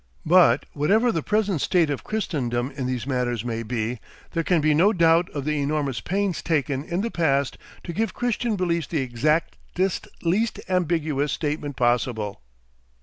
But whatever the present state of Christendom in these matters may be, there can be no doubt of the enormous pains taken in the past to give Christian beliefs the exactest, least ambiguous statement possible.